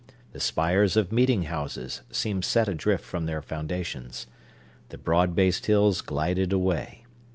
The spires of meeting houses seemed set adrift from their foundations; the broad based hills glided away.